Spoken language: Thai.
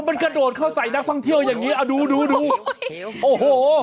มันกระโดดเข้าใส่นักช่องเที่ยวแบบนี้อ่ะดูโอ้โห